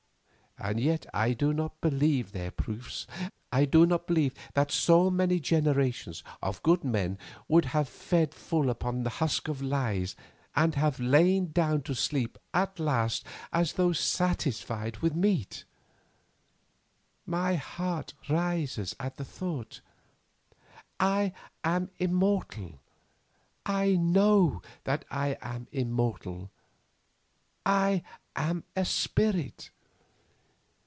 And yet I do not believe their proofs. I do not believe that so many generations of good men would have fed full upon a husk of lies and have lain down to sleep at last as though satisfied with meat. My heart rises at the thought. I am immortal. I know that I am immortal. I am a spirit.